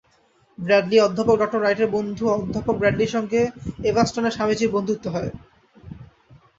Bradley, অধ্যাপক ড রাইটের বন্ধু অধ্যাপক ব্র্যাডলির সঙ্গে এভানষ্টনে স্বামীজীর বন্ধুত্ব হয়।